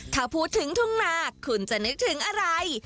ถ้าพูดถึงทุ่งนาคุณจะนึกถึงอะไร